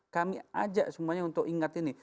kami ajak semuanya untuk ingat ini